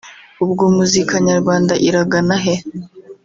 ubwo Muzika Nyarwanda iragana he